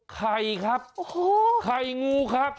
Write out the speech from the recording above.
ไข่ครับไข่งูครับ